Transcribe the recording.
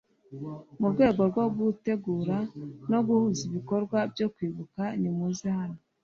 mu rwego rwo gutegura no guhuza ibikorwa byo kwibuka nimuze hano